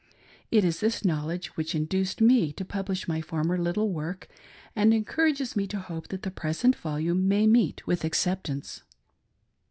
It was this knowledge which induced me to pubHsh my former little work, and encourages me to hope that the present vol ume may meet with acceptance.